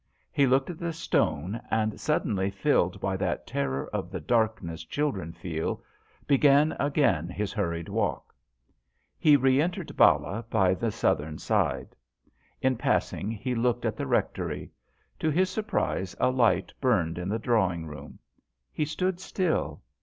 He looked at the stone, and suddenly filled by that terror of the darkness children feel, began again his hurried walk. He re entered Ballah by the southern side. In passing he looked at the rectory. To his surprise a light burned in the drawing room. He stood still.